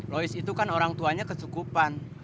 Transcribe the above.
lois itu kan orang tuanya kecukupan